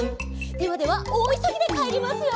「ではではおおいそぎでかえりますよ」